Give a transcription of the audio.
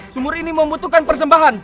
sumur ini membutuhkan persembahan